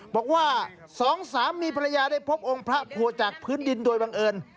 บอกว่าสองสามีภรรยาได้พบองค์พระโพจากพื้นดินโดยบังเอิญ